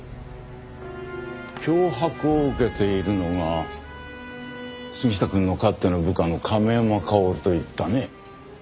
脅迫を受けているのが杉下くんのかつての部下の亀山薫といったね。